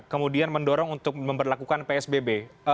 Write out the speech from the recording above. kemudian mendorong untuk memperlakukan psbb